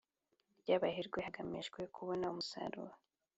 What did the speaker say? Ry abaherwe hagamijwe kubona umusaruro